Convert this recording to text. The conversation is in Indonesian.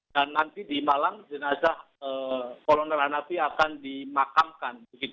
dan nanti di malang jenazah kolonel hanafi akan dimakamkan